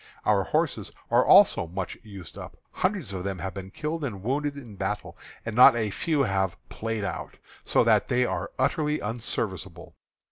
Our horses are also much used up. Hundreds of them have been killed and wounded in battle, and not a few have "played out," so that they are utterly unserviceable.